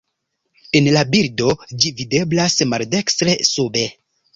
En la bildo ĝi videblas maldekstre sube.